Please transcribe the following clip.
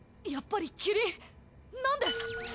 やっぱりキリンなんで！